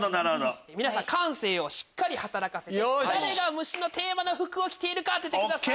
皆さん感性をしっかり働かせて誰が虫のテーマの服を着ているか当ててください。